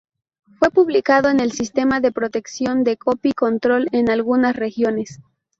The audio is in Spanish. Fue publicado con el sistema de protección de Copy Control en algunas regiones.